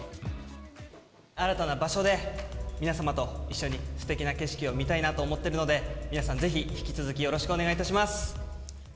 新たな場所で、皆様と一緒にすてきな景色を見たいなと思っているので、皆さん、ぜひ引き続きよろしくお願いいたします。